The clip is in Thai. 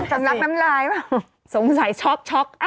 กำลังกำลับน้ำลายสงสัยช็อคช็อค